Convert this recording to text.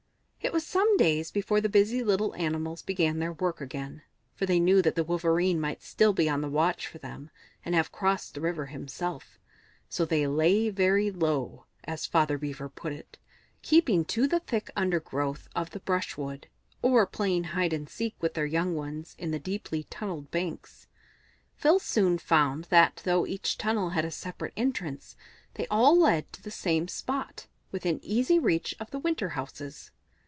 It was some days before the busy little animals began their work again, for they knew that the Wolverene might still be on the watch for them, and have crossed the river himself. So they "lay very low," as Father Beaver put it, keeping to the thick undergrowth of the brushwood, or playing hide and seek with their young ones in the deeply tunnelled banks. Phil soon found that though each tunnel had a separate entrance, they all led to the same spot, within easy reach of the winter houses.